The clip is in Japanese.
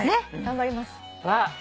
頑張ります。